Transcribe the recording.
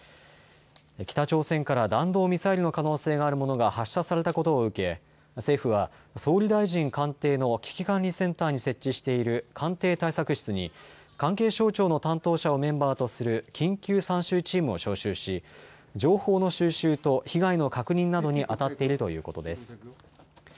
北朝鮮から弾道ミサイルの可能性があるものが発射されたことを受け政府は総理大臣官邸の危機管理センターに設置している官邸対策室に関係省庁の担当者をメンバーとする緊急参集チームを招集し情報の収集と被害の確認などにあたっているということです。